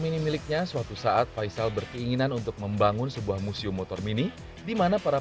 mini miliknya suatu saat faisal berkeinginan untuk membangun sebuah museum motor mini dimana para